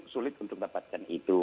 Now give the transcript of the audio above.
sulit untuk mendapatkan itu